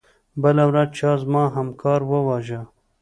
بله ورځ چا زما همکار وواژه.